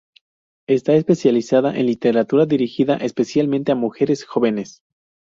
Está especializada en literatura dirigida especialmente a mujeres jóvenes.